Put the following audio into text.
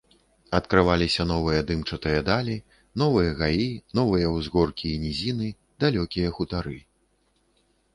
Адкрываліся новыя дымчатыя далі, новыя гаі, новыя ўзгоркі і нізіны, далёкія хутары.